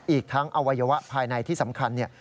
อีกทั้งอวัยวะภายในที่สำคัญเนี่ย